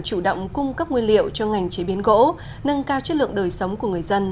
chủ động cung cấp nguyên liệu cho ngành chế biến gỗ nâng cao chất lượng đời sống của người dân